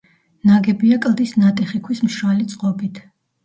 ნაგებია კლდის ნატეხი ქვის მშრალი წყობით.